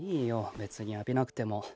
別に浴びなくても。